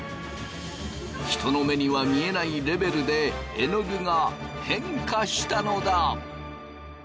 人の目には見えないレベルでえのぐが変化したのだ！